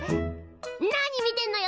なに見てんのよ！